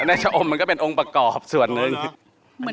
ไอ้เจ้าอมมันก็เป็นองค์ประกอบส่วนหนึ่งรู้หรือ